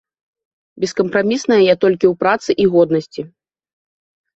Бескапрамісная я толькі ў працы і годнасці.